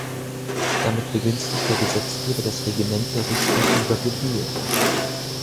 Damit begünstigt der Gesetzgeber das Regiment der Richter über Gebühr.